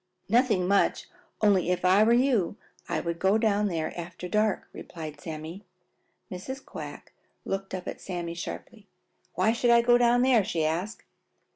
"Nothing much, only if I were you I would go down there after dark," replied Sammy. Mrs. Quack looked up at Sammy sharply. "Why should I go down there?" she asked.